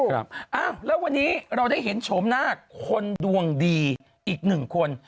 ครับอ้าวแล้ววันนี้เราได้เห็นโฉมหน้าคนดวงดีอีกหนึ่งคน